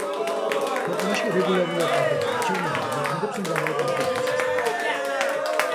ქვეყანაში რეგულარულად ტარდება არჩევნები და მოქმედებს მრავალპარტიული სისტემა.